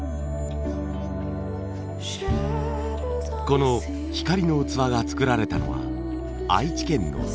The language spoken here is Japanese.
この光の器が作られたのは愛知県の瀬戸市。